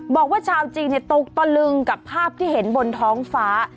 บอกว่าชาวจีนตกตะลึงกับภาพที่เห็นบนท้องฟ้า